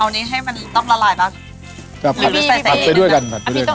เอาหนึ่งเอาหนึ่งให้มันต้องละลายมาผัดไปด้วยกันผัดไปด้วย